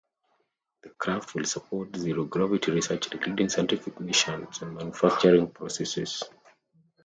The craft will support zero-gravity research including scientific missions and manufacturing processes.